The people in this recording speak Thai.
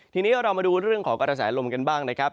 ทีนี้เรามาดูเรื่องของกระแสลมกันบ้างนะครับ